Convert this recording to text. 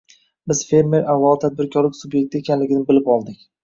biz fermer avvalo tadbirkorlik sub’ekti ekanligini bilib oldik.